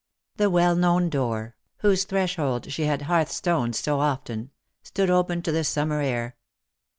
The well known door — whose threshold she had hearthstoned so often — stood open to the summer air.